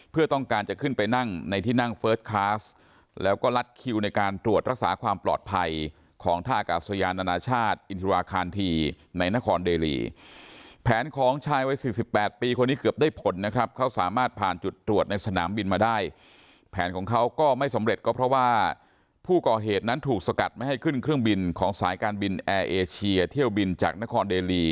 เพื่อต้องการจะขึ้นไปนั่งในที่นั่งเฟิร์สคลาสแล้วก็รัดคิวในการตรวจรักษาความปลอดภัยของธากสยานอนาชาติอินทรวาคารที่ในนครเดรีแผนของชายไว้๔๘ปีคนนี้เกือบได้ผลนะครับเขาสามารถผ่านจุดตรวจในสนามบินมาได้แผนของเขาก็ไม่สำเร็จก็เพราะว่าผู้ก่อเหตุนั้นถูกสกัดไม่ให้ขึ้นเครื่องบินของสายการ